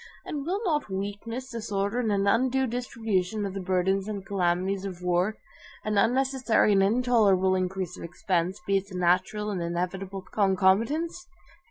And will not weakness, disorder, an undue distribution of the burdens and calamities of war, an unnecessary and intolerable increase of expense, be its natural and inevitable concomitants?